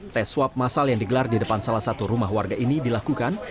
tes swab masal yang digelar di depan salah satu rumah warga ini dilakukan